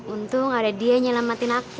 untung ada dia nyelamatin aku